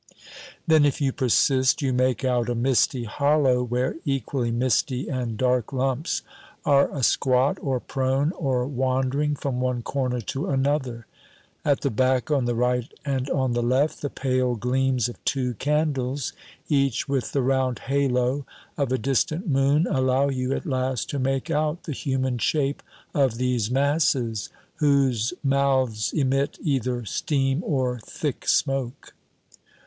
Then, if you persist, you make out a misty hollow where equally misty and dark lumps are asquat or prone or wandering from one corner to another. At the back, on the right and on the left, the pale gleams of two candles, each with the round halo of a distant moon allow you at last to make out the human shape of these masses, whose mouths emit either steam or thick smoke.